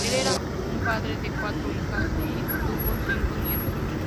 Él era un padre de cuatro hijas y tuvo cinco nietos.